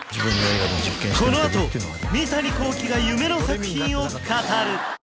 このあと三谷幸喜が夢の作品を語る！